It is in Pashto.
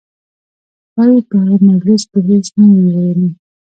ښایي په هغه مجلس کې هېڅ نه وي ویلي.